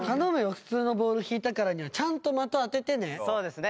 普通のボール引いたからにはちゃんと的当ててね。